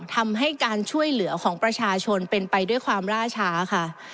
ทำให้การช่วยเหลือของประชาชนเป็นไปด้วยความล่าช้าค่ะ